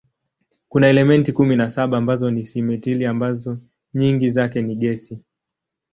Kuna elementi kumi na saba ambazo ni simetili ambazo nyingi zake ni gesi.